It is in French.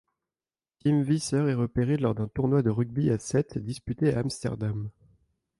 Tim Visser est repéré lors d'un tournoi de rugby à sept disputé à Amsterdam.